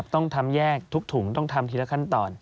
ต้องทำแยกทุกถุงต้องทำทีละขั้นตอน